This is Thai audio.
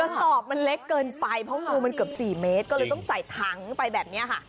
สอบมันเล็กเกินไปเพราะงูมันเกือบ๔เมตรก็เลยต้องใส่ถังไปแบบนี้ค่ะ